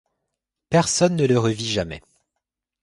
Personne ne le revit jamais.